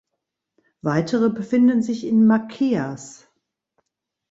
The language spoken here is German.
Weitere befinden sich in Machias.